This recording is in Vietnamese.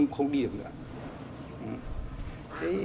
không đi được nữa